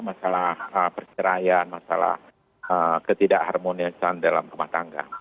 masalah perseraian masalah ketidak harmonisan dalam rumah tangga